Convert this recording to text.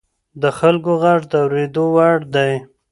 د خلکو غږ د اورېدو وړ دی